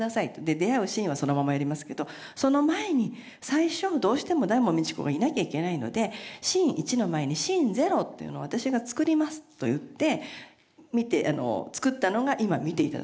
出会うシーンはそのままやりますけどその前に最初どうしても大門未知子がいなきゃいけないのでシーン１の前にシーン０っていうのを私が作りますと言って作ったのが今見て頂いたシーンなんですね。